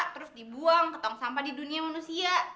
terus dibuang ke tong sampah di dunia manusia